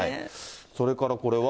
それからこれは。